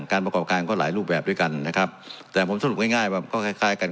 ประกอบการก็หลายรูปแบบด้วยกันนะครับแต่ผมสรุปง่ายง่ายว่าก็คล้ายคล้ายกัน